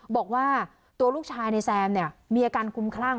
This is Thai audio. บอกว่าตัวลูกชายในแซมเนี่ยมีอาการคุ้มคลั่ง